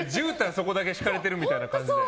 そこだけ敷かれてるみたいな感じで。